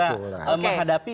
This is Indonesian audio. saat ini kita menghadapi